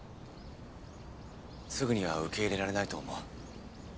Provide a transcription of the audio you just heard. すぐには受け入れられないと思う。